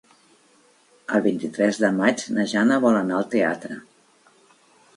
El vint-i-tres de maig na Jana vol anar al teatre.